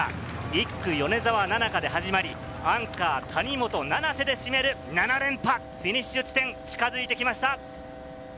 １区・米澤奈々香で始まり、アンカー・谷本七星で締める７連覇、フィニッシュ地点に近づいてきました。